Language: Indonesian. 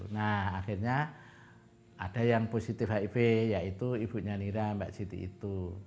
nah akhirnya ada yang positif hiv yaitu ibunya nira mbak siti itu